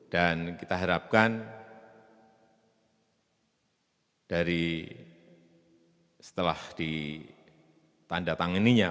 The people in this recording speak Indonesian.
dan kita harapkan dari setelah ditanda tanganinya